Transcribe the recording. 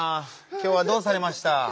きょうはどうされました？